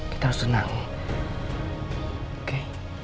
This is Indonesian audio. kita harus senang oke